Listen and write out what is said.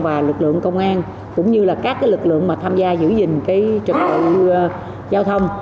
và lực lượng công an cũng như là các lực lượng mà tham gia giữ gìn trật tự giao thông